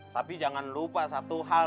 tapi jangan lupa satu hal